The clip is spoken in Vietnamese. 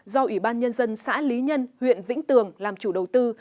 do ủy ban nhân dân xã lý nhân huyện vĩnh tường làm chủ đầu tư